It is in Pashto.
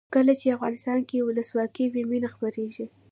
کله چې افغانستان کې ولسواکي وي مینه خپریږي.